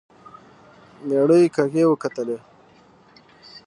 مېړه يې کږې وکتلې.